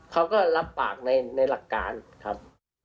เขาก็รับปากในหลักการครับ